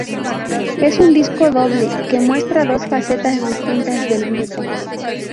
Es un disco doble que muestra dos facetas distintas del grupo.